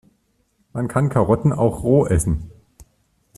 Man kann Karotten auch roh essen.